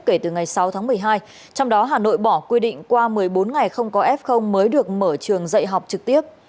kể từ ngày sáu tháng một mươi hai trong đó hà nội bỏ quy định qua một mươi bốn ngày không có f mới được mở trường dạy học trực tiếp